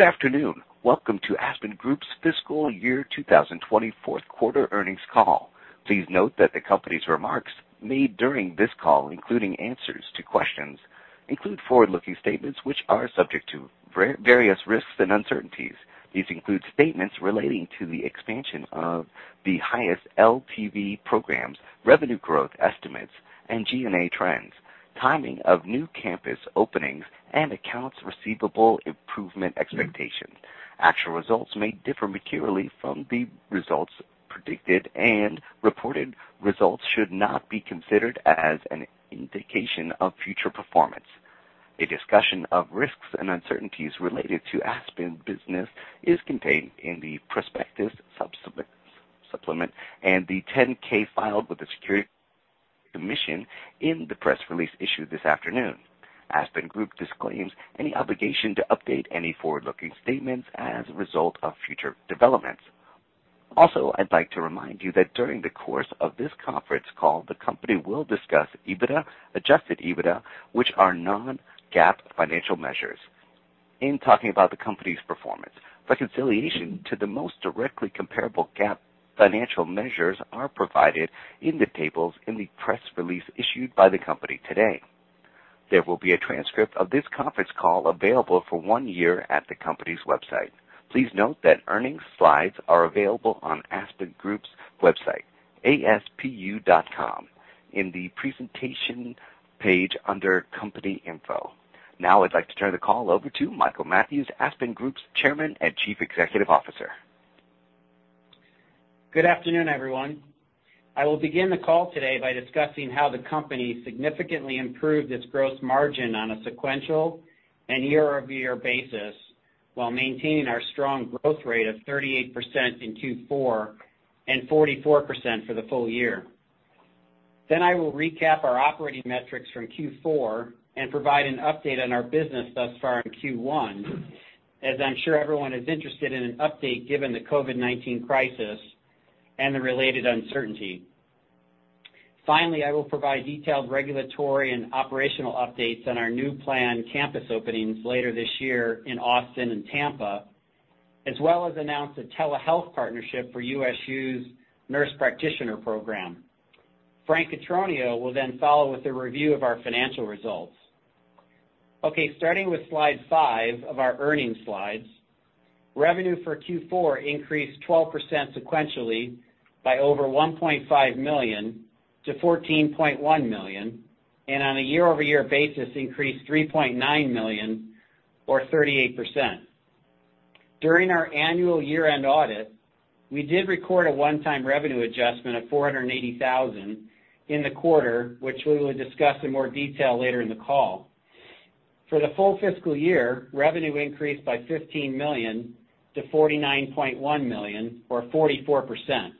Good afternoon. Welcome to Aspen Group's Fiscal Year 2020 fourth quarter earnings call. Please note that the company's remarks made during this call, including answers to questions, include forward-looking statements which are subject to various risks and uncertainties. These include statements relating to the expansion of the highest LTV programs, revenue growth estimates, and G&A trends, timing of new campus openings, and accounts receivable improvement expectations. Actual results may differ materially from the results predicted, and reported results should not be considered as an indication of future performance. A discussion of risks and uncertainties related to Aspen business is contained in the prospectus supplement and the 10-K filed with the Securities Commission in the press release issued this afternoon. Aspen Group disclaims any obligation to update any forward-looking statements as a result of future developments. I'd like to remind you that during the course of this conference call, the company will discuss EBITDA, adjusted EBITDA, which are non-GAAP financial measures. In talking about the company's performance, reconciliation to the most directly comparable GAAP financial measures are provided in the tables in the press release issued by the company today. There will be a transcript of this conference call available for one year at the company's website. Please note that earnings slides are available on Aspen Group's website, aspu.com, in the presentation page under company info. I'd like to turn the call over to Michael Mathews, Aspen Group's Chairman and Chief Executive Officer. Good afternoon, everyone. I will begin the call today by discussing how the company significantly improved its gross margin on a sequential and year-over-year basis while maintaining our strong growth rate of 38% in Q4 and 44% for the full year. I will recap our operating metrics from Q4 and provide an update on our business thus far in Q1, as I'm sure everyone is interested in an update given the COVID-19 crisis and the related uncertainty. I will provide detailed regulatory and operational updates on our new planned campus openings later this year in Austin and Tampa, as well as announce a telehealth partnership for USU's nurse practitioner program. Frank Cotroneo will then follow with a review of our financial results. Okay, starting with slide five of our earnings slides, revenue for Q4 increased 12% sequentially by over $1.5 million to $14.1 million, and on a year-over-year basis increased $3.9 million or 38%. During our annual year-end audit, we did record a one-time revenue adjustment of $480,000 in the quarter, which we will discuss in more detail later in the call. For the full fiscal year, revenue increased by $15 million to $49.1 million or 44%.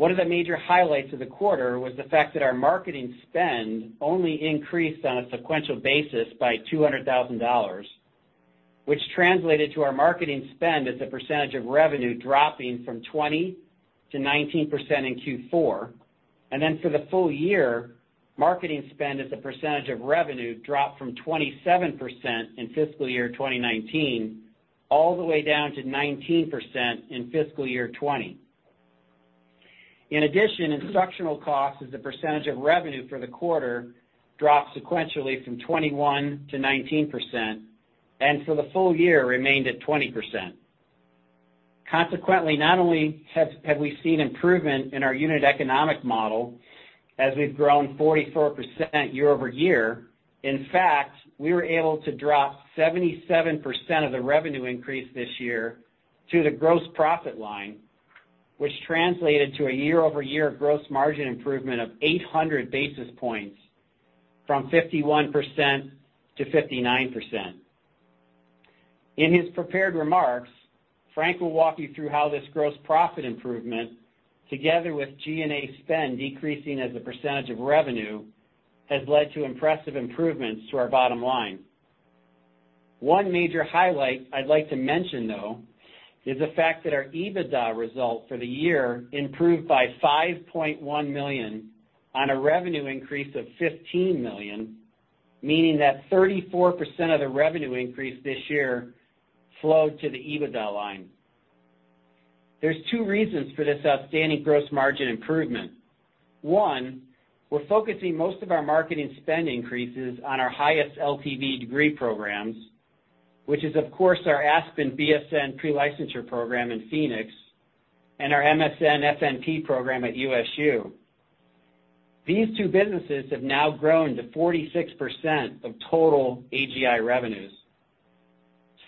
One of the major highlights of the quarter was the fact that our marketing spend only increased on a sequential basis by $200,000, which translated to our marketing spend as a percentage of revenue dropping from 20% to 19% in Q4. For the full year, marketing spend as a percentage of revenue dropped from 27% in fiscal year 2019 all the way down to 19% in fiscal year 2020. In addition, instructional cost as a percentage of revenue for the quarter dropped sequentially from 21% to 19%, and for the full year remained at 20%. Consequently, not only have we seen improvement in our unit economic model as we've grown 44% year-over-year, in fact, we were able to drop 77% of the revenue increase this year to the gross profit line, which translated to a year-over-year gross margin improvement of 800 basis points from 51% to 59%. In his prepared remarks, Frank will walk you through how this gross profit improvement, together with G&A spend decreasing as a percentage of revenue, has led to impressive improvements to our bottom line. One major highlight I'd like to mention, though, is the fact that our EBITDA results for the year improved by $5.1 million on a revenue increase of $15 million, meaning that 34% of the revenue increase this year flowed to the EBITDA line. There are two reasons for this outstanding gross margin improvement. One, we are focusing most of our marketing spend increases on our highest LTV degree programs, which is, of course, our Aspen BSN pre-licensure program in Phoenix and our MSN-FNP program at USU. These two businesses have now grown to 46% of total AGI revenues.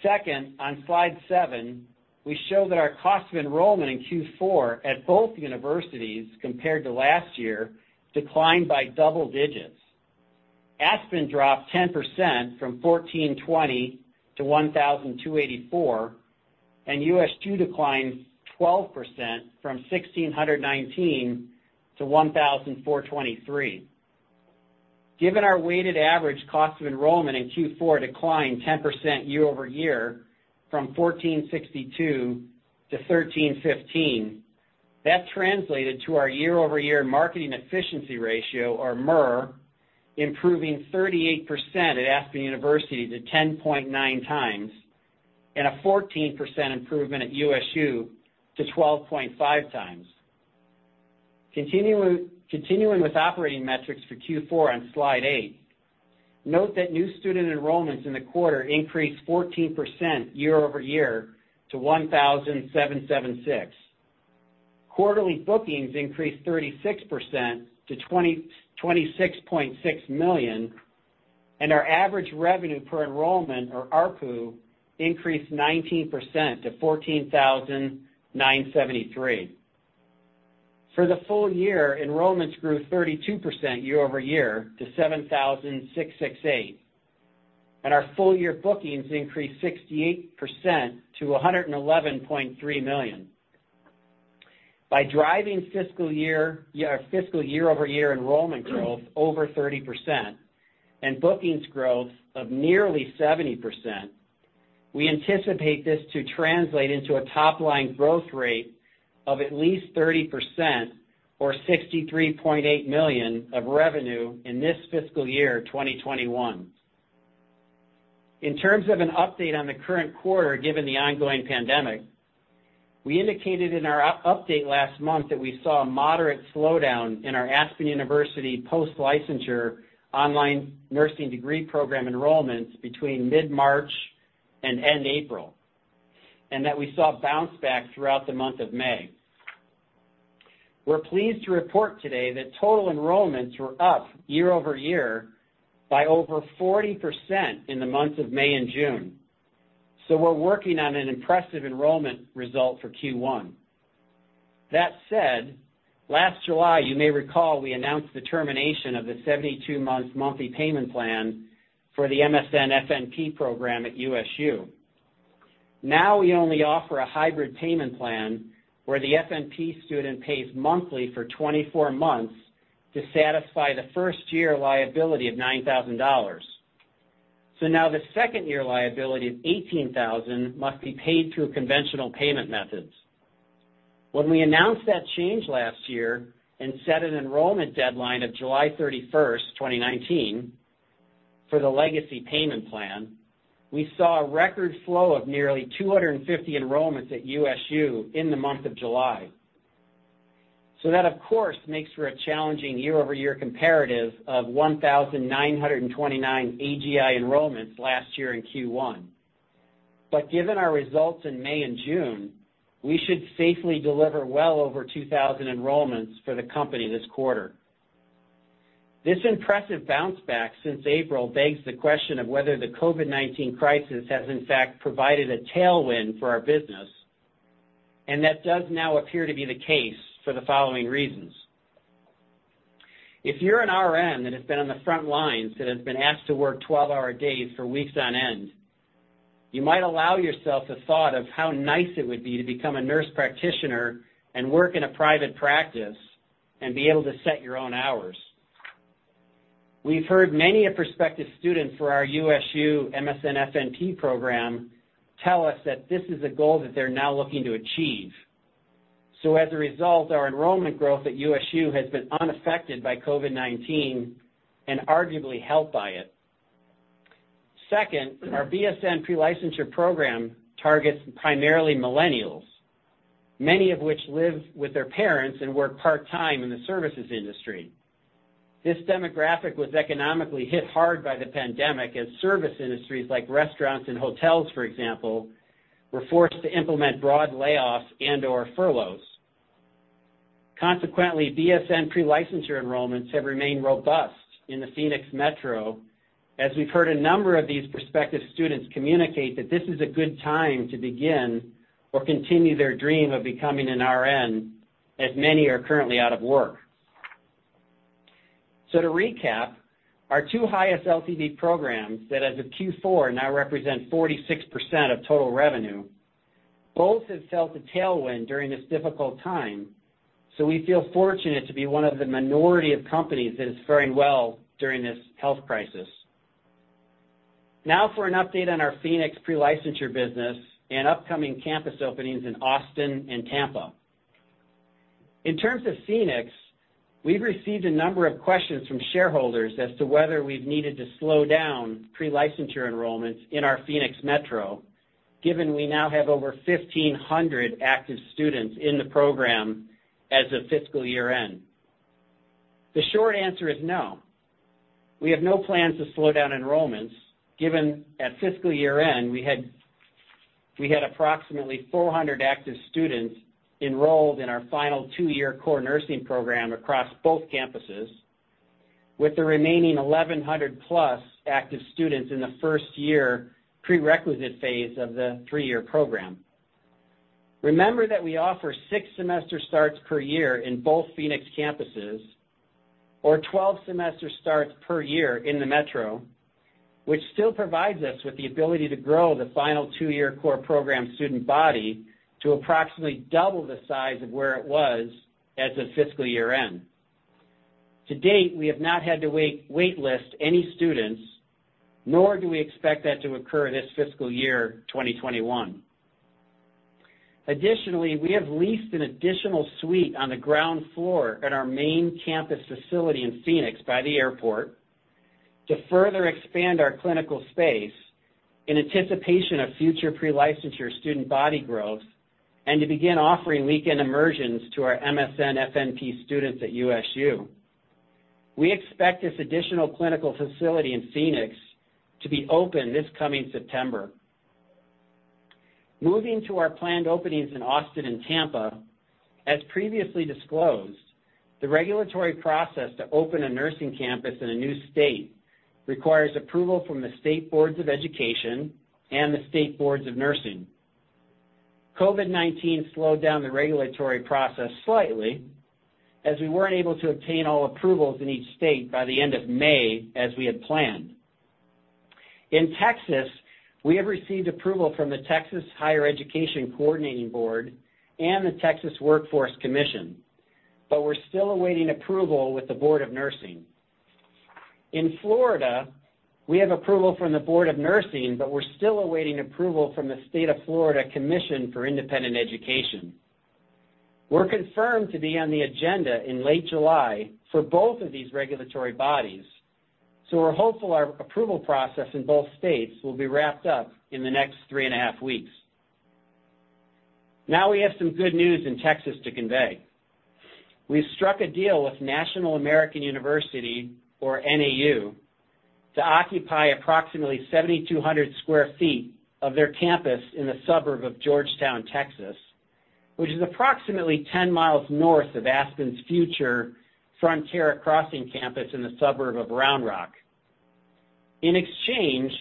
Second, on slide seven, we show that our cost of enrollment in Q4 at both universities compared to last year declined by double digits. Aspen dropped 10% from $1,420 to $1,284, and USU declined 12% from $1,619 to $1,423. Given our weighted average cost of enrollment in Q4 declined 10% year-over-year from 1,462 to 1,315, that translated to our year-over-year marketing efficiency ratio or MER improving 38% at Aspen University to 10.9 times, and a 14% improvement at USU to 12.5 times. Continuing with operating metrics for Q4 on slide eight, note that new student enrollments in the quarter increased 14% year-over-year to 1,776. Quarterly bookings increased 36% to $26.6 million, and our average revenue per enrollment, or ARPU, increased 19% to $14,973. For the full year, enrollments grew 32% year-over-year to 7,668, and our full-year bookings increased 68% to $111.3 million. By driving fiscal year-over-year enrollment growth over 30% and bookings growth of nearly 70%, we anticipate this to translate into a top-line growth rate of at least 30% or $63.8 million of revenue in this fiscal year 2021. In terms of an update on the current quarter, given the ongoing pandemic, we indicated in our update last month that we saw a moderate slowdown in our Aspen University post-licensure online nursing degree program enrollments between mid-March and end April, and that we saw a bounce-back throughout the month of May. We're pleased to report today that total enrollments were up year-over-year by over 40% in the months of May and June, so we're working on an impressive enrollment result for Q1. That said, last July, you may recall we announced the termination of the 72-month monthly payment plan for the MSN-FNP program at USU. Now we only offer a hybrid payment plan where the FNP student pays monthly for 24 months to satisfy the first-year liability of $9,000. Now the second-year liability of $18,000 must be paid through conventional payment methods. When we announced that change last year and set an enrollment deadline of July 31st, 2019, for the legacy payment plan, we saw a record flow of nearly 250 enrollments at USU in the month of July. That, of course, makes for a challenging year-over-year comparative of 1,929 AGI enrollments last year in Q1. Given our results in May and June, we should safely deliver well over 2,000 enrollments for the company this quarter. This impressive bounce-back since April begs the question of whether the COVID-19 crisis has in fact provided a tailwind for our business, that does now appear to be the case for the following reasons. If you're an RN that has been on the front lines that has been asked to work 12-hour days for weeks on end, you might allow yourself the thought of how nice it would be to become a nurse practitioner and work in a private practice and be able to set your own hours. We've heard many a prospective student for our USU MSN-FNP program tell us that this is a goal that they're now looking to achieve. As a result, our enrollment growth at USU has been unaffected by COVID-19 and arguably helped by it. Our BSN pre-licensure program targets primarily millennials, many of which live with their parents and work part-time in the services industry. This demographic was economically hit hard by the pandemic as service industries like restaurants and hotels, for example, were forced to implement broad layoffs and/or furloughs. Consequently, BSN pre-licensure enrollments have remained robust in the Phoenix Metro as we've heard a number of these prospective students communicate that this is a good time to begin or continue their dream of becoming an RN, as many are currently out of work. To recap, our two highest LTV programs that as of Q4 now represent 46% of total revenue, both have felt a tailwind during this difficult time, so we feel fortunate to be one of the minority of companies that is faring well during this health crisis. For an update on our Phoenix pre-licensure business and upcoming campus openings in Austin and Tampa. In terms of Phoenix, we've received a number of questions from shareholders as to whether we've needed to slow down pre-licensure enrollments in our Phoenix Metro, given we now have over 1,500 active students in the program as of fiscal year-end. The short answer is no. We have no plans to slow down enrollments given at fiscal year-end, we had approximately 400 active students enrolled in our final two-year core nursing program across both campuses with the remaining 1,100-plus active students in the first-year prerequisite phase of the three-year program. Remember that we offer six semester starts per year in both Phoenix campuses or 12 semester starts per year in the Metro, which still provides us with the ability to grow the final two-year core program student body to approximately double the size of where it was as of fiscal year-end. To date, we have not had to waitlist any students, nor do we expect that to occur this fiscal year 2021. Additionally, we have leased an additional suite on the ground floor at our main campus facility in Phoenix by the airport to further expand our clinical space in anticipation of future pre-licensure student body growth and to begin offering weekend immersions to our MSN-FNP students at United States University. We expect this additional clinical facility in Phoenix to be open this coming September. Moving to our planned openings in Austin and Tampa, as previously disclosed, the regulatory process to open a nursing campus in a new state requires approval from the state boards of education and the state boards of nursing. COVID-19 slowed down the regulatory process slightly, as we weren't able to obtain all approvals in each state by the end of May as we had planned. In Texas, we have received approval from the Texas Higher Education Coordinating Board and the Texas Workforce Commission, but we're still awaiting approval with the Board of Nursing. In Florida, we have approval from the Board of Nursing, but we're still awaiting approval from the Florida Commission for Independent Education. We're confirmed to be on the agenda in late July for both of these regulatory bodies, so we're hopeful our approval process in both states will be wrapped up in the next three and a half weeks. Now we have some good news in Texas to convey. We struck a deal with National American University, or NAU, to occupy approximately 7,200 sq ft of their campus in the suburb of Georgetown, Texas, which is approximately 10 miles north of Aspen's future Frontera Crossing campus in the suburb of Round Rock. In exchange,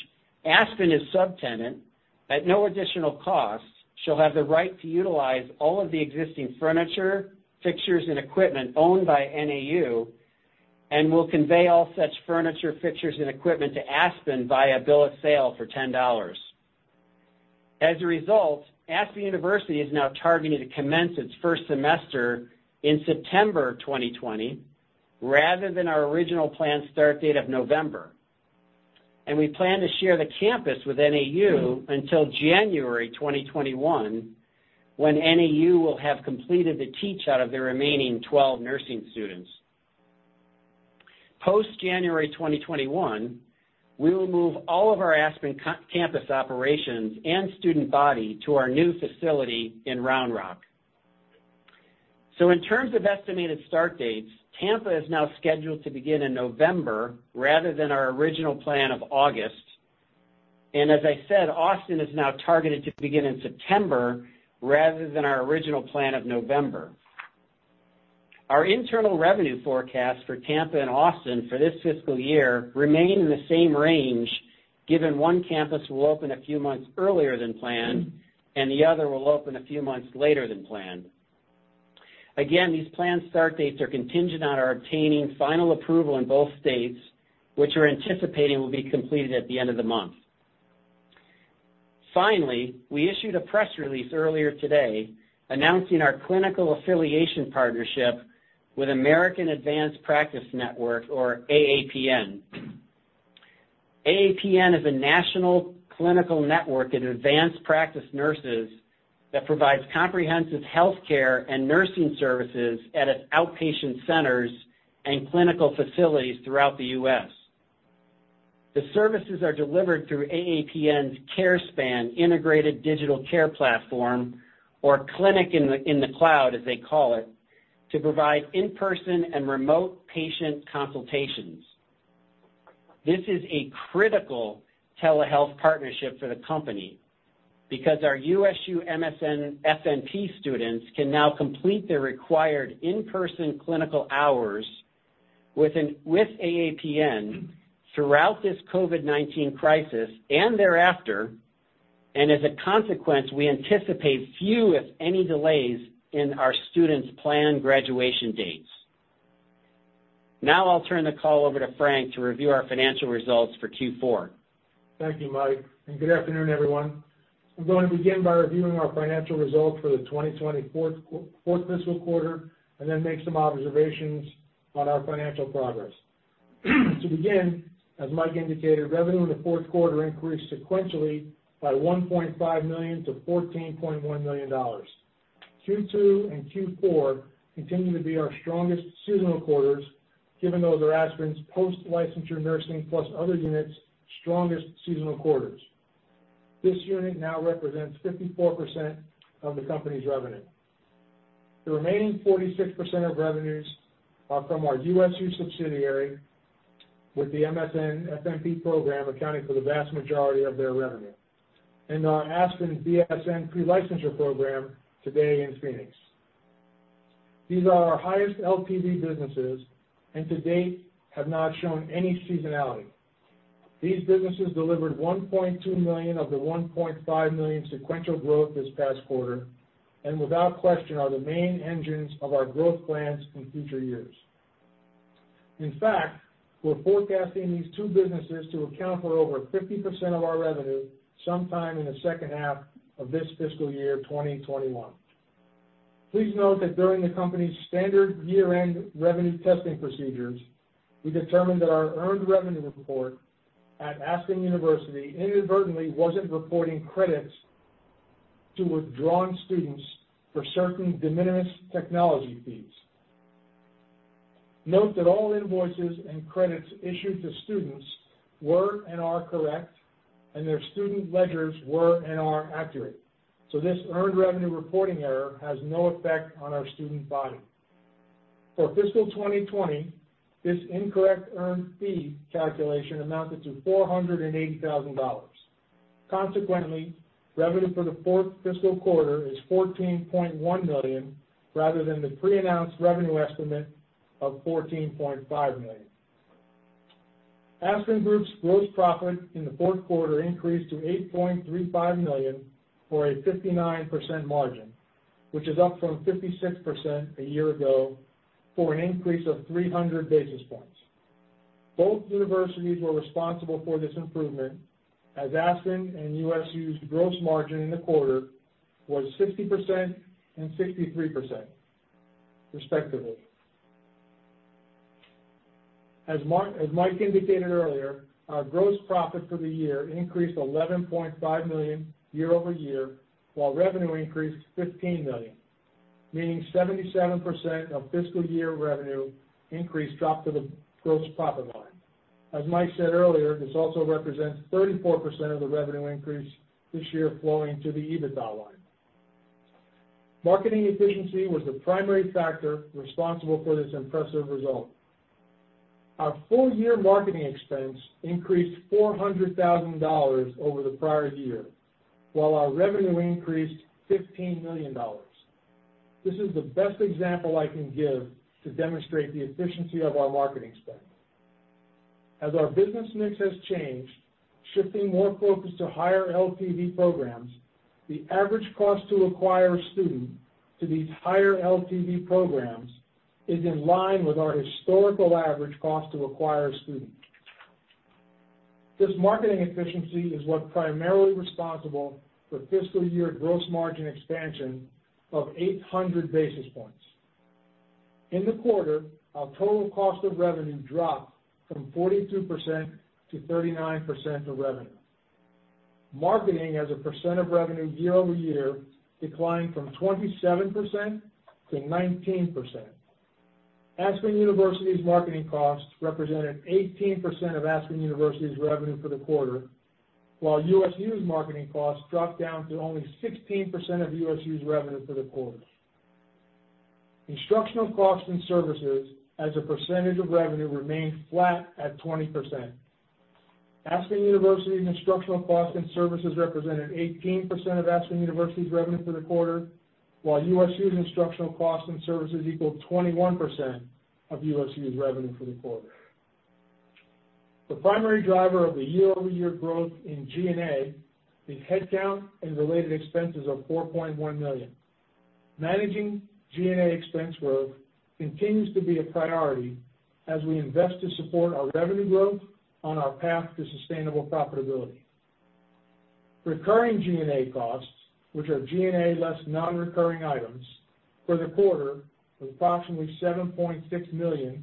Aspen, as subtenant, at no additional cost, shall have the right to utilize all of the existing furniture, fixtures, and equipment owned by NAU and will convey all such furniture, fixtures, and equipment to Aspen via bill of sale for $10. As a result, Aspen University is now targeting to commence its first semester in September 2020, rather than our original planned start date of November. We plan to share the campus with NAU until January 2021, when NAU will have completed the teach out of their remaining 12 nursing students. Post January 2021, we will move all of our Aspen campus operations and student body to our new facility in Round Rock. In terms of estimated start dates, Tampa is now scheduled to begin in November rather than our original plan of August. As I said, Austin is now targeted to begin in September rather than our original plan of November. Our internal revenue forecast for Tampa and Austin for this fiscal year remain in the same range, given one campus will open a few months earlier than planned and the other will open a few months later than planned. Again, these planned start dates are contingent on our obtaining final approval in both states, which we're anticipating will be completed at the end of the month. Finally, we issued a press release earlier today announcing our clinical affiliation partnership with American Advanced Practice Network, or AAPN. AAPN is a national clinical network of advanced practice nurses that provides comprehensive healthcare and nursing services at its outpatient centers and clinical facilities throughout the U.S. The services are delivered through AAPN's CareSpan integrated digital care platform, or Clinic in the Cloud, as they call it, to provide in-person and remote patient consultations. This is a critical telehealth partnership for the company, because our USU MSN-FNP students can now complete their required in-person clinical hours with AAPN throughout this COVID-19 crisis and thereafter, as a consequence, we anticipate few, if any, delays in our students' planned graduation dates. I'll turn the call over to Frank to review our financial results for Q4. Thank you, Mike. Good afternoon, everyone. I'm going to begin by reviewing our financial results for the 2020 fourth fiscal quarter, and then make some observations on our financial progress. To begin, as Mike indicated, revenue in the fourth quarter increased sequentially by $1.5 million to $14.1 million. Q2 and Q4 continue to be our strongest seasonal quarters, given those are Aspen's post-licensure nursing plus other units' strongest seasonal quarters. This unit now represents 54% of the company's revenue. The remaining 46% of revenues are from our USU subsidiary, with the MSN-FNP program accounting for the vast majority of their revenue, and our Aspen BSN pre-licensure program today in Phoenix. These are our highest LTV businesses, and to date have not shown any seasonality. These businesses delivered $1.2 million of the $1.5 million sequential growth this past quarter, without question, are the main engines of our growth plans in future years. In fact, we're forecasting these two businesses to account for over 50% of our revenue sometime in the second half of this fiscal year 2021. Please note that during the company's standard year-end revenue testing procedures, we determined that our earned revenue report at Aspen University inadvertently wasn't reporting credits to withdrawn students for certain de minimis technology fees. Note that all invoices and credits issued to students were and are correct, their student ledgers were and are accurate. This earned revenue reporting error has no effect on our student body. For fiscal 2020, this incorrect earned fee calculation amounted to $480,000. Consequently, revenue for the fourth fiscal quarter is $14.1 million, rather than the pre-announced revenue estimate of $14.5 million. Aspen Group's gross profit in the fourth quarter increased to $8.35 million for a 59% margin, which is up from 56% a year ago for an increase of 300 basis points. Both universities were responsible for this improvement, as Aspen and USU's gross margin in the quarter was 60% and 63%, respectively. As Mike indicated earlier, our gross profit for the year increased $11.5 million year-over-year, while revenue increased $15 million, meaning 77% of fiscal year revenue increase dropped to the gross profit line. As Mike said earlier, this also represents 34% of the revenue increase this year flowing to the EBITDA line. Marketing efficiency was the primary factor responsible for this impressive result. Our full-year marketing expense increased $400,000 over the prior year, while our revenue increased $15 million. This is the best example I can give to demonstrate the efficiency of our marketing spend. As our business mix has changed, shifting more focus to higher LTV programs, the average cost to acquire a student to these higher LTV programs is in line with our historical average cost to acquire a student. This marketing efficiency is what's primarily responsible for fiscal year gross margin expansion of 800 basis points. In the quarter, our total cost of revenue dropped from 42% to 39% of revenue. Marketing as a percent of revenue year-over-year declined from 27% to 19%. Aspen University's marketing costs represented 18% of Aspen University's revenue for the quarter, while USU's marketing costs dropped down to only 16% of USU's revenue for the quarter. Instructional costs and services as a percentage of revenue remained flat at 20%. Aspen University's instructional costs and services represented 18% of Aspen University's revenue for the quarter, while USU's instructional costs and services equaled 21% of USU's revenue for the quarter. The primary driver of the year-over-year growth in G&A is headcount and related expenses of $4.1 million. Managing G&A expense growth continues to be a priority as we invest to support our revenue growth on our path to sustainable profitability. Recurring G&A costs, which are G&A less non-recurring items for the quarter, was approximately $7.6 million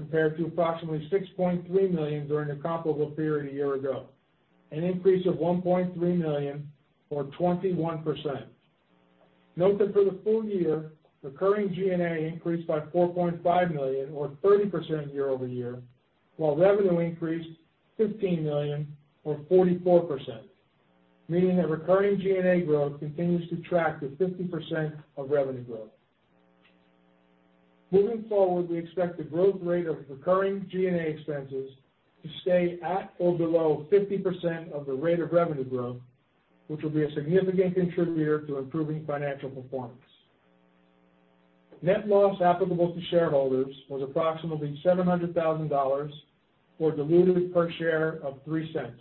compared to approximately $6.3 million during the comparable period a year ago, an increase of $1.3 million or 21%. Note that for the full year, recurring G&A increased by $4.5 million or 30% year-over-year, while revenue increased $15 million or 44%, meaning that recurring G&A growth continues to track to 50% of revenue growth. Moving forward, we expect the growth rate of recurring G&A expenses to stay at or below 50% of the rate of revenue growth, which will be a significant contributor to improving financial performance. Net loss applicable to shareholders was approximately $700,000 for diluted per share of $0.03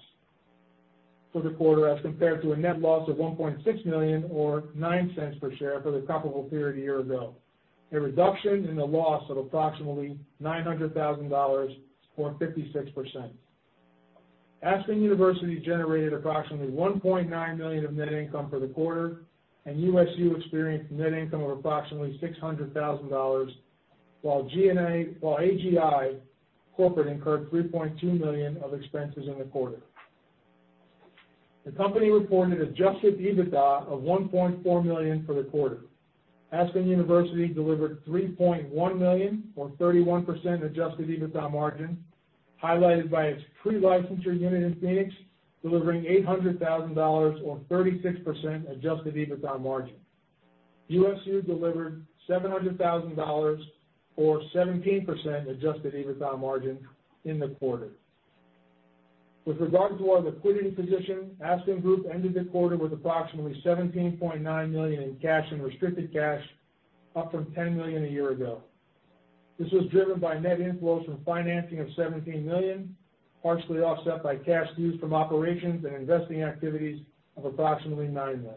for the quarter as compared to a net loss of $1.6 million or $0.09 per share for the comparable period a year ago, a reduction in the loss of approximately $900,000 or 56%. Aspen University generated approximately $1.9 million of net income for the quarter, and USU experienced net income of approximately $600,000 while AGI corporate incurred $3.2 million of expenses in the quarter. The company reported adjusted EBITDA of $1.4 million for the quarter. Aspen University delivered $3.1 million or 31% adjusted EBITDA margin, highlighted by its Pre-licensure unit in Phoenix delivering $800,000 or 36% adjusted EBITDA margin. USU delivered $700,000 or 17% adjusted EBITDA margin in the quarter. With regard to our liquidity position, Aspen Group ended the quarter with approximately $17.9 million in cash and restricted cash, up from $10 million a year ago. This was driven by net inflows from financing of $17 million, partially offset by cash used from operations and investing activities of approximately $9 million.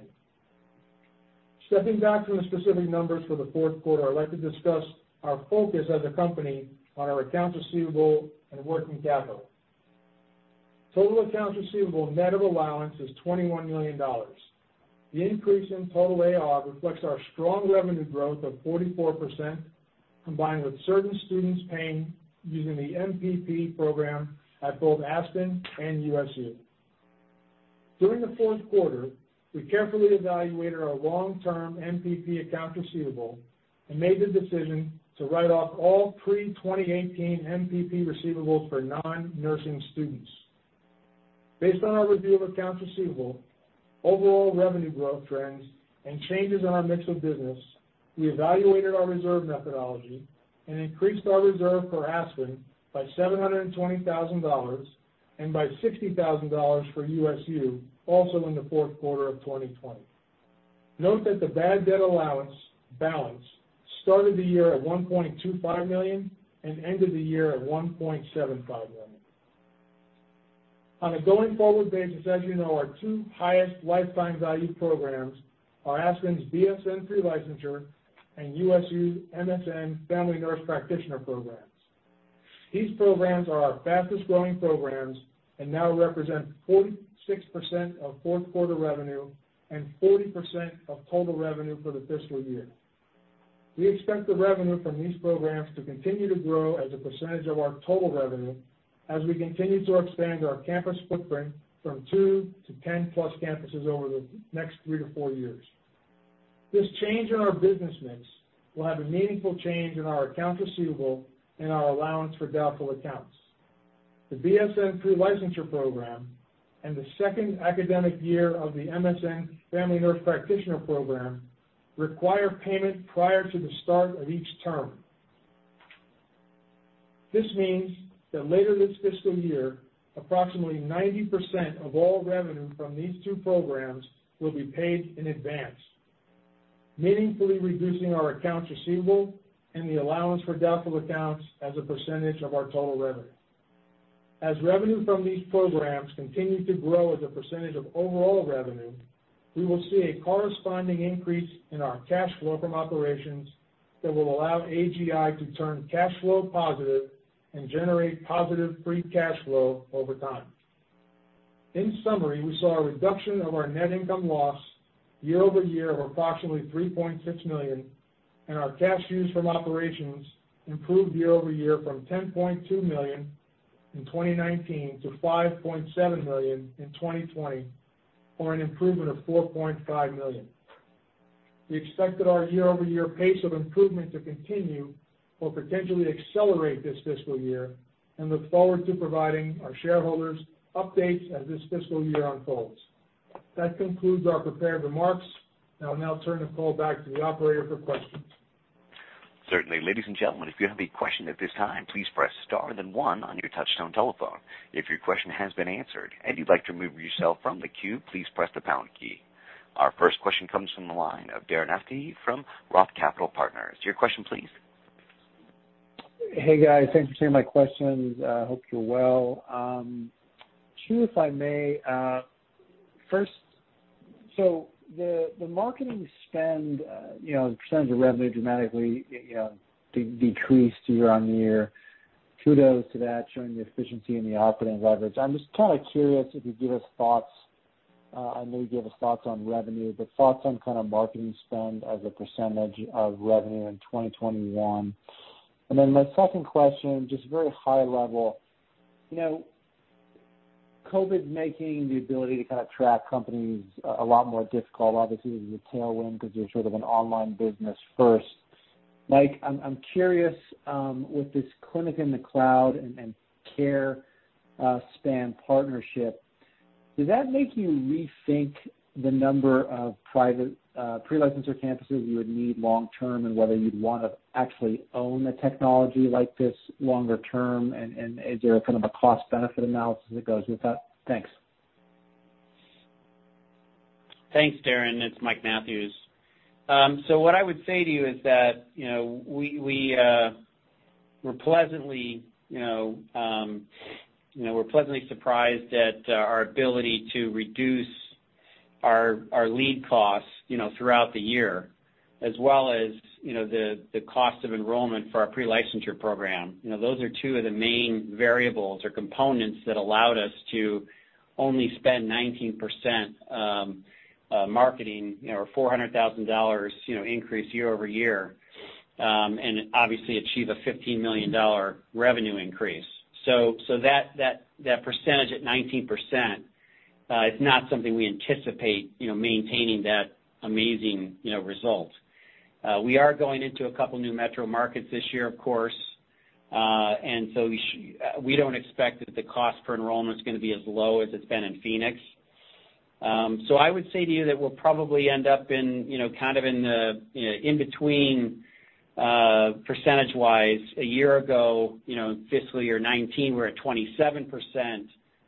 Stepping back from the specific numbers for the fourth quarter, I'd like to discuss our focus as a company on our accounts receivable and working capital. Total accounts receivable net of allowance is $21 million. The increase in total A/R reflects our strong revenue growth of 44%, combined with certain students paying using the MPP program at both Aspen and USU. During the fourth quarter, we carefully evaluated our long-term MPP account receivable and made the decision to write off all pre-2018 MPP receivables for non-nursing students. Based on our review of accounts receivable, overall revenue growth trends, and changes in our mix of business, we evaluated our reserve methodology and increased our reserve for Aspen by $720,000 and by $60,000 for USU, also in the fourth quarter of 2020. Note that the bad debt allowance balance started the year at $1.25 million and ended the year at $1.75 million. On a going-forward basis, as you know, our two highest lifetime value programs are Aspen's BSN pre-licensure and USU's MSN-FNP programs. These programs are our fastest-growing programs and now represent 46% of fourth-quarter revenue and 40% of total revenue for the fiscal year. We expect the revenue from these programs to continue to grow as a percentage of our total revenue as we continue to expand our campus footprint from 2 to 10-plus campuses over the next 3 to 4 years. This change in our business mix will have a meaningful change in our accounts receivable and our allowance for doubtful accounts. The BSN pre-licensure program and the second academic year of the MSN-FNP program require payment prior to the start of each term. This means that later this fiscal year, approximately 90% of all revenue from these two programs will be paid in advance, meaningfully reducing our accounts receivable and the allowance for doubtful accounts as a percentage of our total revenue. As revenue from these programs continues to grow as a percentage of overall revenue, we will see a corresponding increase in our cash flow from operations that will allow AGI to turn cash flow positive and generate positive free cash flow over time. In summary, we saw a reduction of our net income loss year-over-year of approximately $3.6 million, and our cash used from operations improved year-over-year from $10.2 million in 2019 to $5.7 million in 2020, or an improvement of $4.5 million. We expected our year-over-year pace of improvement to continue or potentially accelerate this fiscal year and look forward to providing our shareholders updates as this fiscal year unfolds. That concludes our prepared remarks. I will now turn the call back to the operator for questions. Certainly. Ladies and gentlemen, if you have a question at this time, please press star then one on your touchtone telephone. If your question has been answered and you'd like to remove yourself from the queue, please press the pound key. Our first question comes from the line of Darren Aftahi from Roth Capital Partners. Your question please. Hey, guys. Thanks for taking my questions. I hope you're well. Two, if I may. First, the marketing spend, the percentage of revenue dramatically decreased year-over-year. Kudos to that, showing the efficiency in the operating leverage. I'm just kind of curious if you'd give us thoughts, I know you gave us thoughts on revenue, but thoughts on kind of marketing spend as a percentage of revenue in 2021. My second question, just very high level. COVID-19 making the ability to kind of track companies a lot more difficult. Obviously, this is a tailwind because you're sort of an online business first. Mike, I'm curious, with this Clinic in the Cloud and CareSpan partnership, does that make you rethink the number of private pre-licensure campuses you would need long term, and whether you'd want to actually own a technology like this longer term, and is there a kind of a cost-benefit analysis that goes with that? Thanks. Thanks, Darren. It's Michael Mathews. What I would say to you is that we're pleasantly surprised at our ability to reduce our lead costs throughout the year, as well as the cost of enrollment for our pre-licensure program. Those are two of the main variables or components that allowed us to only spend 19% marketing or $400,000 increase year-over-year, obviously achieve a $15 million revenue increase. That percentage at 19%, it's not something we anticipate maintaining that amazing result. We are going into a couple new metro markets this year, of course. We don't expect that the cost per enrollment's going to be as low as it's been in Phoenix. I would say to you that we'll probably end up in the in between percentage-wise a year ago, fiscal year 2019, we're at 27%.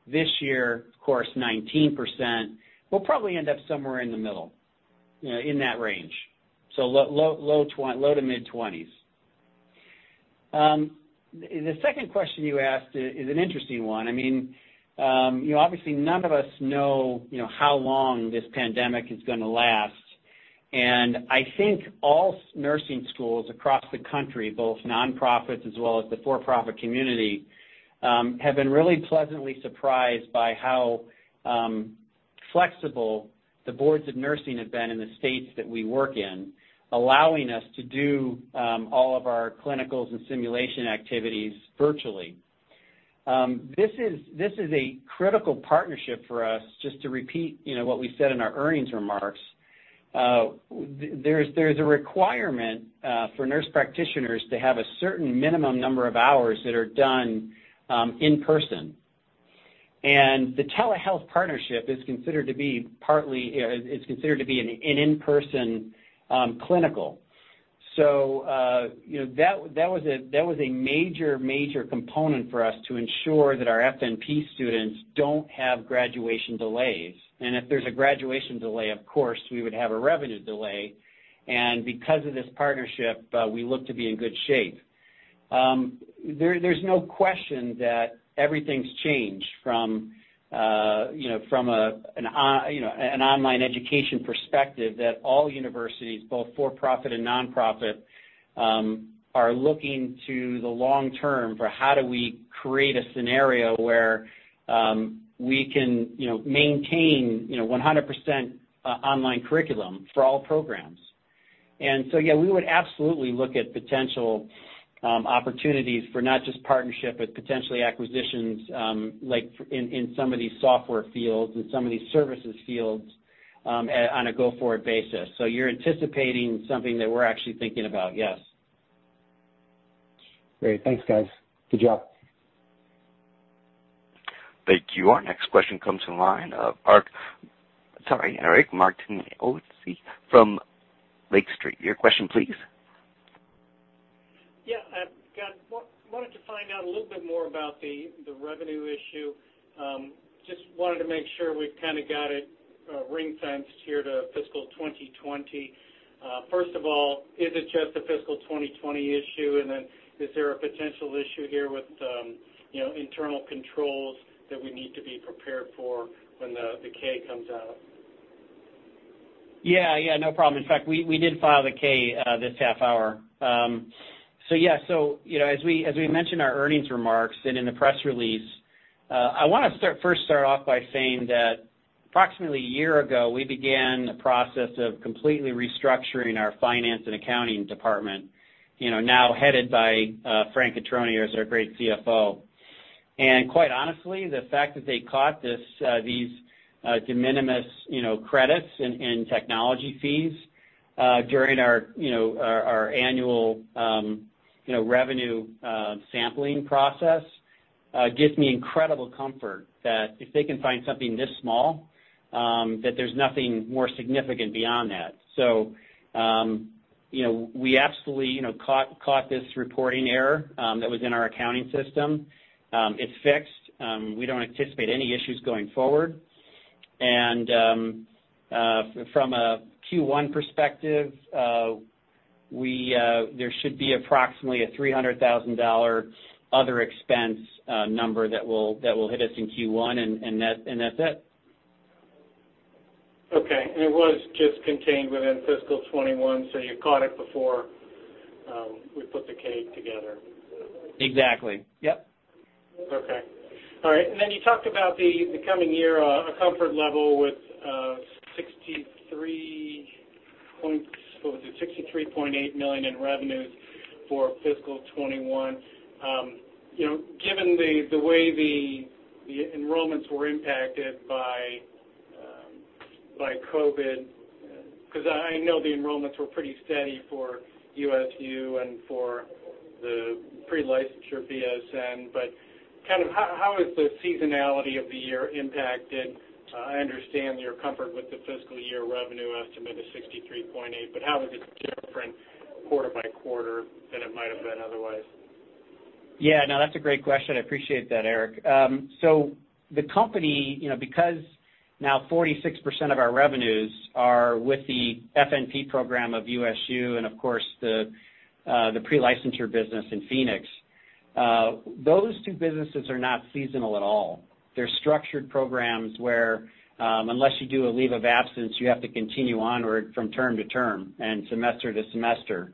This year, of course, 19%. We'll probably end up somewhere in the middle, in that range, low to mid-20s. The second question you asked is an interesting one. Obviously none of us know how long this pandemic is going to last. I think all nursing schools across the country, both nonprofits as well as the for-profit community, have been really pleasantly surprised by how flexible the boards of nursing have been in the states that we work in, allowing us to do all of our clinicals and simulation activities virtually. This is a critical partnership for us. Just to repeat what we said in our earnings remarks, there's a requirement for nurse practitioners to have a certain minimum number of hours that are done in person. The telehealth partnership is considered to be an in-person clinical. That was a major component for us to ensure that our FNP students don't have graduation delays. If there's a graduation delay, of course, we would have a revenue delay. Because of this partnership, we look to be in good shape. There's no question that everything's changed from an online education perspective, that all universities, both for-profit and nonprofit, are looking to the long term for how do we create a scenario where we can maintain 100% online curriculum for all programs. Yeah, we would absolutely look at potential opportunities for not just partnership, but potentially acquisitions, like in some of these software fields, in some of these services fields, on a go-forward basis. You're anticipating something that we're actually thinking about, yes. Great. Thanks, guys. Good job. Thank you. Our next question comes from the line of Eric Martinuzzi from Lake Street. Your question, please. Yeah. I wanted to find out a little bit more about the revenue issue. Wanted to make sure we've kind of got it ring-fenced here to fiscal 2020. First of all, is it just a fiscal 2020 issue? Is there a potential issue here with internal controls that we need to be prepared for when the K comes out? No problem. In fact, we did file the 10-K this half hour. As we mentioned in our earnings remarks and in the press release, I want to first start off by saying that approximately a year ago, we began the process of completely restructuring our finance and accounting department, now headed by Frank Cotroneo as our great CFO. Quite honestly, the fact that they caught these de minimis credits in technology fees during our annual revenue sampling process gives me incredible comfort that if they can find something this small, that there's nothing more significant beyond that. We absolutely caught this reporting error that was in our accounting system. It's fixed. We don't anticipate any issues going forward. From a Q1 perspective, there should be approximately a $300,000 other expense number that will hit us in Q1, and that's it. Okay. It was just contained within fiscal 2021, so you caught it before we put the 10-K together? Exactly. Yep. Okay. All right. Then you talked about the coming year, a comfort level with 63.8 million in revenues for fiscal 2021. Given the way the enrollments were impacted by COVID, because I know the enrollments were pretty steady for USU and for the Pre-licensure BSN, how is the seasonality of the year impacted? I understand your comfort with the fiscal year revenue estimate of 63.8, how is it different quarter by quarter than it might've been otherwise? Yeah, no, that's a great question. I appreciate that, Eric. The company, because now 46% of our revenues are with the FNP program of USU and of course the pre-licensure business in Phoenix, those two businesses are not seasonal at all. They're structured programs where, unless you do a leave of absence, you have to continue onward from term to term and semester to semester.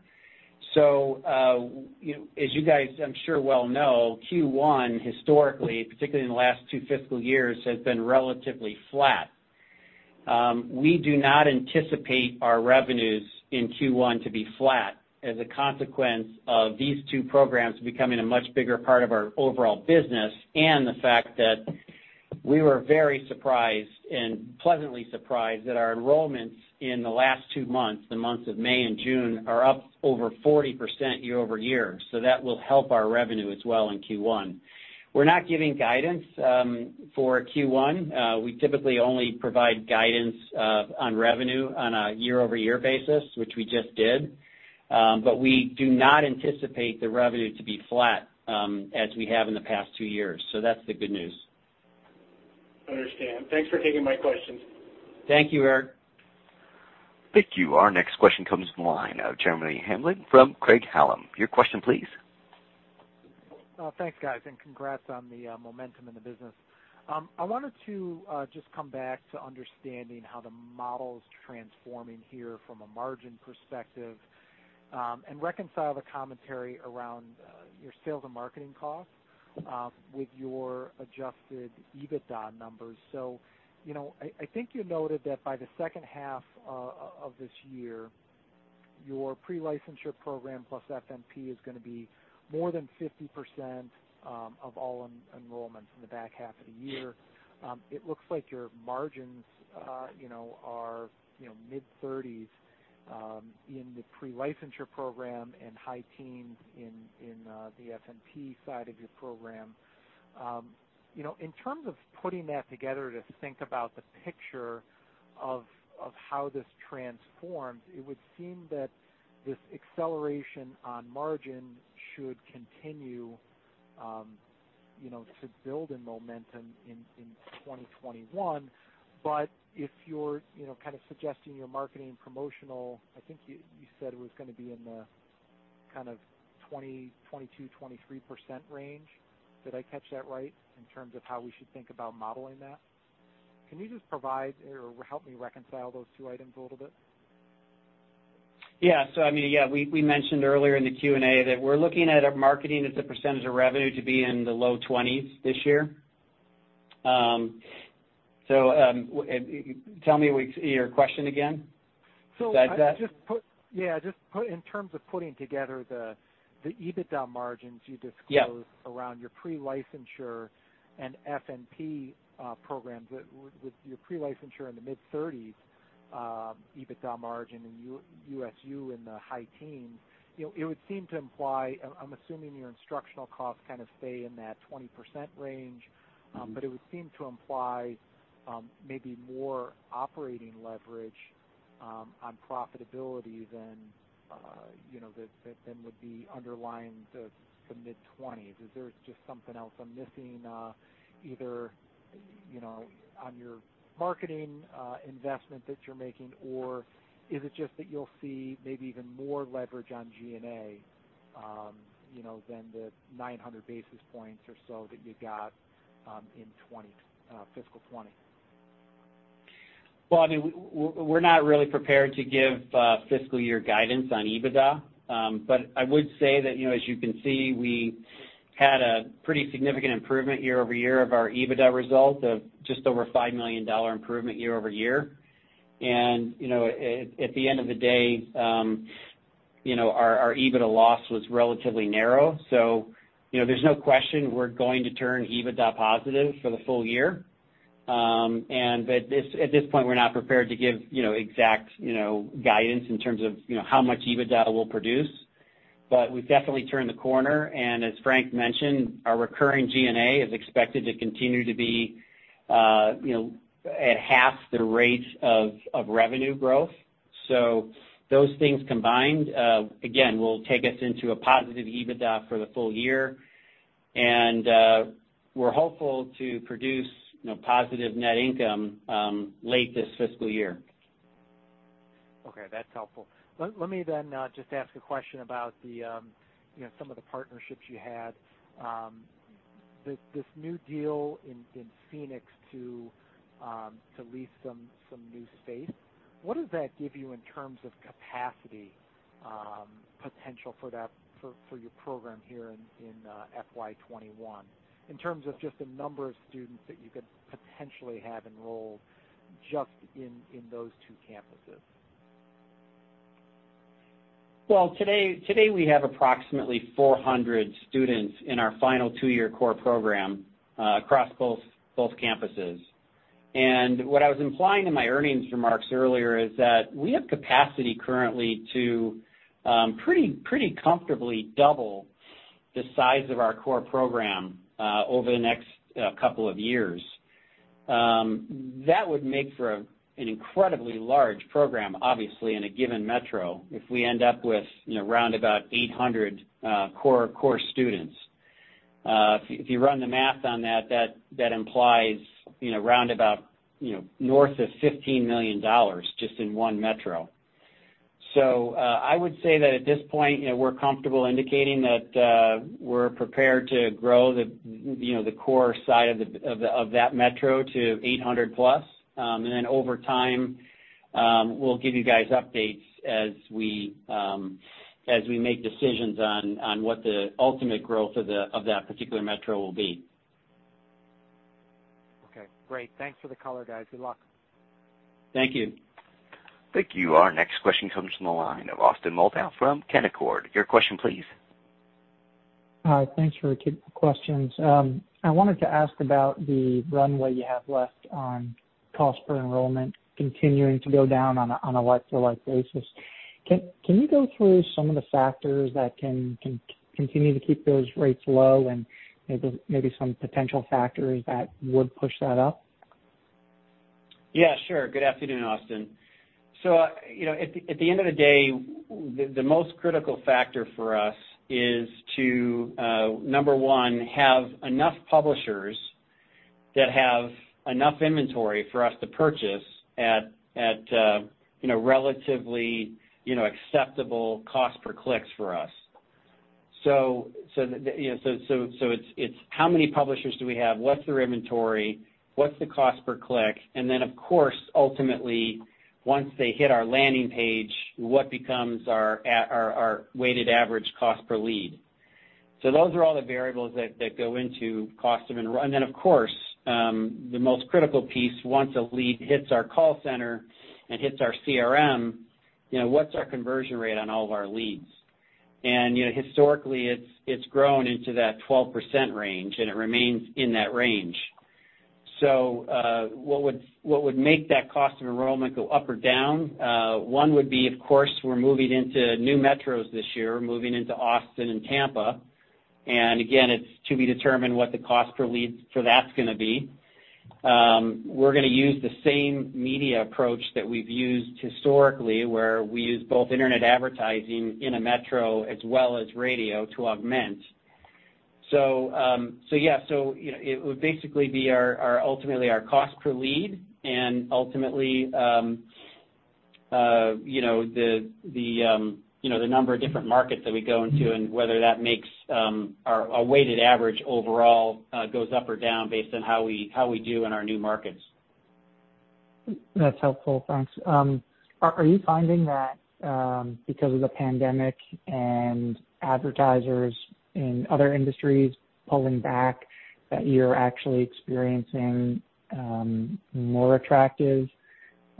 As you guys I'm sure well know, Q1 historically, particularly in the last two fiscal years, has been relatively flat. We do not anticipate our revenues in Q1 to be flat as a consequence of these two programs becoming a much bigger part of our overall business and the fact that we were very surprised, and pleasantly surprised, that our enrollments in the last two months, the months of May and June, are up over 40% year-over-year. That will help our revenue as well in Q1. We're not giving guidance for Q1. We typically only provide guidance on revenue on a year-over-year basis, which we just did. We do not anticipate the revenue to be flat as we have in the past two years. That's the good news. Understand. Thanks for taking my questions. Thank you, Eric. Thank you. Our next question comes from the line of Jeremy Hamblin from Craig-Hallum. Your question, please. Thanks, guys. Congrats on the momentum in the business. I wanted to just come back to understanding how the model's transforming here from a margin perspective, and reconcile the commentary around your sales and marketing costs with your adjusted EBITDA numbers. I think you noted that by the second half of this year, your Pre-licensure program plus FNP is going to be more than 50% of all enrollments in the back half of the year. It looks like your margins are mid-30s in the Pre-licensure program and high teens in the FNP side of your program. In terms of putting that together to think about the picture of how this transforms, it would seem that this acceleration on margin should continue to build in momentum in 2021. If you're kind of suggesting your marketing and promotional, I think you said it was going to be in the 20, 22, 23% range. Did I catch that right in terms of how we should think about modeling that? Can you just provide or help me reconcile those two items a little? Yeah. We mentioned earlier in the Q&A that we're looking at our marketing as a percentage of revenue to be in the low 20s this year. Tell me your question again. Besides that. Yeah, just in terms of putting together the EBITDA margins you disclosed. Yeah around your Pre-licensure and FNP programs, with your Pre-licensure in the mid-30s EBITDA margin and USU in the high teens, it would seem to imply, I'm assuming your instructional costs kind of stay in that 20% range. It would seem to imply maybe more operating leverage on profitability than would be underlying the mid-20s. Is there just something else I'm missing, either on your marketing investment that you're making, or is it just that you'll see maybe even more leverage on G&A than the 900 basis points or so that you got in fiscal 2020? Well, we're not really prepared to give fiscal year guidance on EBITDA. I would say that as you can see, we had a pretty significant improvement year-over-year of our EBITDA result of just over $5 million improvement year-over-year. At the end of the day, our EBITDA loss was relatively narrow. There's no question we're going to turn EBITDA positive for the full year. At this point, we're not prepared to give exact guidance in terms of how much EBITDA we'll produce. We've definitely turned the corner, and as Frank mentioned, our recurring G&A is expected to continue to be at half the rate of revenue growth. Those things combined, again, will take us into a positive EBITDA for the full year. We're hopeful to produce positive net income late this fiscal year. Okay, that's helpful. Let me then just ask a question about some of the partnerships you had. This new deal in Phoenix to lease some new space, what does that give you in terms of capacity potential for your program here in FY 2021, in terms of just the number of students that you could potentially have enrolled just in those two campuses? Well, today we have approximately 400 students in our final two-year core program across both campuses. What I was implying in my earnings remarks earlier is that we have capacity currently to pretty comfortably double the size of our core program over the next couple of years. That would make for an incredibly large program, obviously, in a given metro if we end up with around about 800 core students. If you run the math on that implies around about north of $15 million just in one metro. I would say that at this point, we're comfortable indicating that we're prepared to grow the core side of that metro to 800-plus. Over time, we'll give you guys updates as we make decisions on what the ultimate growth of that particular metro will be. Okay, great. Thanks for the color, guys. Good luck. Thank you. Thank you. Our next question comes from the line of Austin Moldow from Canaccord. Your question please. Hi. Thanks for taking the questions. I wanted to ask about the runway you have left on cost per enrollment continuing to go down on a like-to-like basis. Can you go through some of the factors that can continue to keep those rates low and maybe some potential factors that would push that up? Yeah, sure. Good afternoon, Austin Moldow. At the end of the day, the most critical factor for us is to, number 1, have enough publishers that have enough inventory for us to purchase at relatively acceptable cost per clicks for us. It's how many publishers do we have? What's their inventory? What's the cost per click? Of course, ultimately, once they hit our landing page, what becomes our weighted average cost per lead? Those are all the variables that go into cost of enrollment. Of course, the most critical piece, once a lead hits our call center and hits our CRM, what's our conversion rate on all of our leads? Historically, it's grown into that 12% range, and it remains in that range. What would make that cost of enrollment go up or down? One would be, of course, we're moving into new metros this year, moving into Austin and Tampa. Again, it's to be determined what the cost per lead for that's going to be. We're going to use the same media approach that we've used historically, where we use both internet advertising in a metro as well as radio to augment. Yeah, it would basically be ultimately our cost per lead and ultimately the number of different markets that we go into and whether that makes our weighted average overall goes up or down based on how we do in our new markets. That's helpful. Thanks. Are you finding that because of the pandemic and advertisers in other industries pulling back, that you're actually experiencing more attractive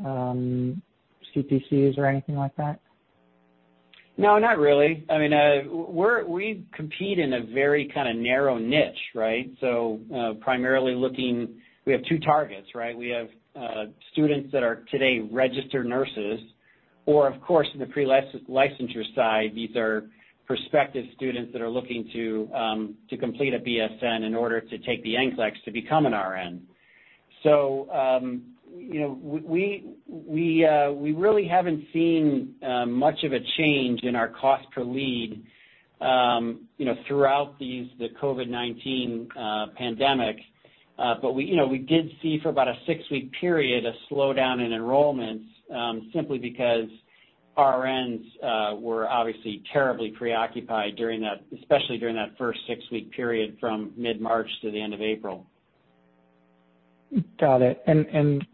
CPCs or anything like that? No, not really. We compete in a very kind of narrow niche, right. Primarily looking, we have two targets, right. We have students that are today registered nurses, or, of course, in the pre-licensure side, these are prospective students that are looking to complete a BSN in order to take the NCLEX to become an RN. We really haven't seen much of a change in our cost per lead throughout the COVID-19 pandemic. We did see for about a six-week period a slowdown in enrollments, simply because RNs were obviously terribly preoccupied, especially during that first six-week period from mid-March to the end of April. Got it.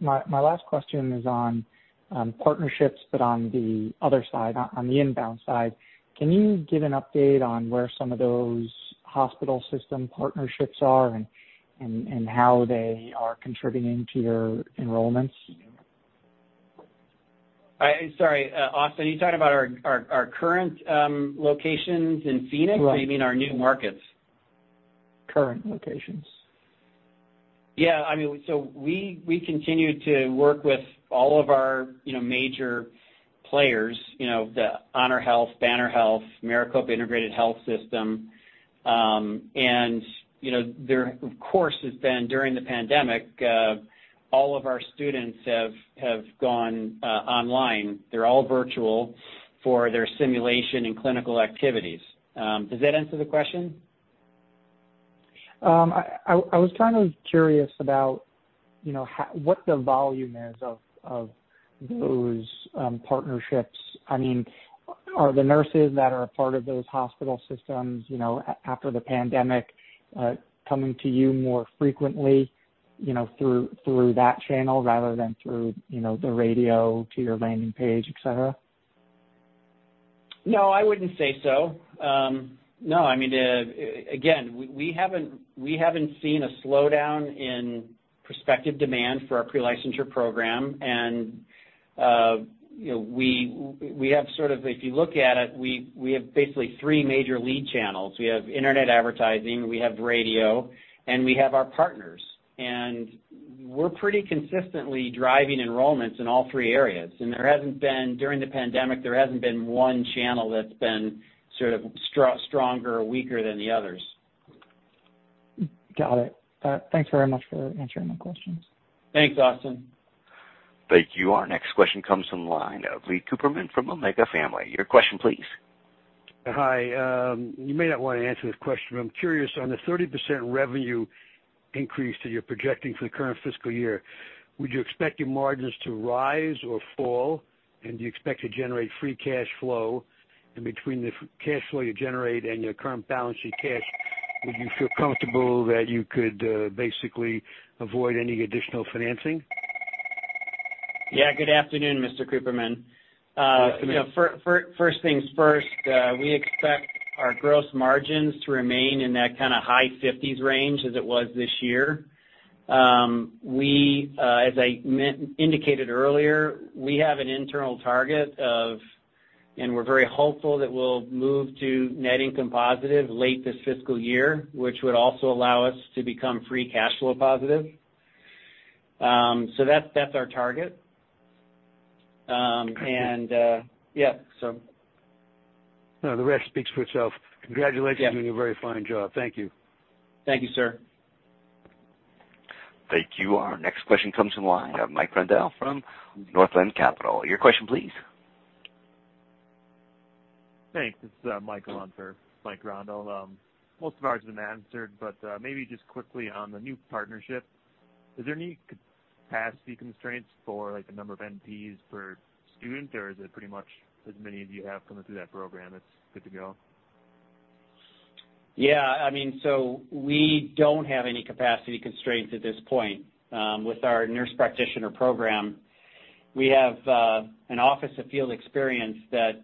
My last question is on partnerships, but on the other side, on the inbound side. Can you give an update on where some of those hospital system partnerships are and how they are contributing to your enrollments? Sorry, Austin Moldow, are you talking about our current locations in Phoenix? Right. You mean our new markets? Current locations. We continue to work with all of our major players, the HonorHealth, Banner Health, Maricopa Integrated Health System. There, of course, has been during the pandemic, all of our students have gone online. They're all virtual for their simulation and clinical activities. Does that answer the question? I was kind of curious about what the volume is of those partnerships. Are the nurses that are a part of those hospital systems after the pandemic coming to you more frequently through that channel rather than through the radio to your landing page, et cetera? No, I wouldn't say so. No. Again, we haven't seen a slowdown in prospective demand for our pre-licensure program. If you look at it, we have basically three major lead channels. We have internet advertising, we have radio, and we have our partners. We're pretty consistently driving enrollments in all three areas. During the pandemic, there hasn't been one channel that's been sort of stronger or weaker than the others. Got it. Thanks very much for answering my questions. Thanks, Austin. Thank you. Our next question comes from the line of Lee Cooperman from Omega Family. Your question, please. Hi. You may not want to answer this question, but I'm curious on the 30% revenue increase that you're projecting for the current fiscal year, would you expect your margins to rise or fall? Do you expect to generate free cash flow? Between the cash flow you generate and your current balance in cash, would you feel comfortable that you could basically avoid any additional financing? Yeah. Good afternoon, Mr. Cooperman. Yeah. First things first, we expect our gross margins to remain in that kind of high 50s range as it was this year. As I indicated earlier, we have an internal target of, and we're very hopeful that we'll move to net income positive late this fiscal year, which would also allow us to become free cash flow positive. That's our target. Thank you. Yeah. No, the rest speaks for itself. Congratulations. Yeah on doing a very fine job. Thank you. Thank you, sir. Thank you. Our next question comes from the line of Mike Rindos from Northland Capital. Your question, please. Thanks. This is Michael Rindos. Most of ours have been answered. Maybe just quickly on the new partnership, is there any capacity constraints for a number of NPs per student, or is it pretty much as many of you have coming through that program, it's good to go? Yeah. We don't have any capacity constraints at this point. With our Nurse Practitioner program, we have an office of field experience that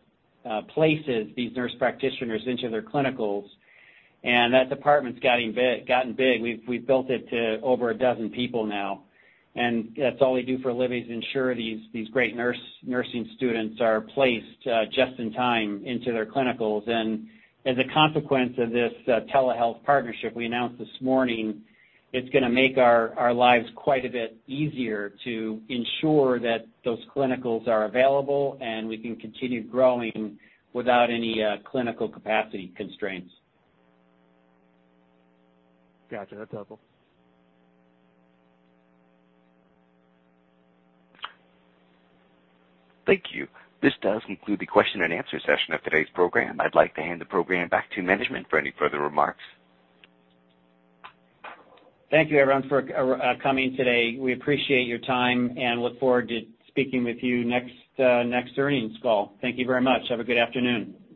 places these Nurse Practitioners into their clinicals, and that department's gotten big. We've built it to over 12 people now, and that's all they do for a living, is ensure these great nursing students are placed just in time into their clinicals. As a consequence of this telehealth partnership we announced this morning, it's going to make our lives quite a bit easier to ensure that those clinicals are available, and we can continue growing without any clinical capacity constraints. Got you. That's helpful. Thank you. This does conclude the question and answer session of today's program. I'd like to hand the program back to management for any further remarks. Thank you, everyone, for coming today. We appreciate your time and look forward to speaking with you next earnings call. Thank you very much. Have a good afternoon.